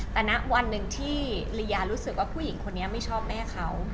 แต่ณวันหนึ่งที่ลียารู้สึกว่าผู้หญิงคนนี้ไม่ชอบแม่เขา